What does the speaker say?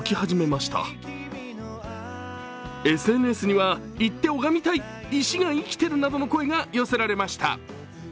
ＳＮＳには、行って拝みたい石が生きているなどの声が寄せられました。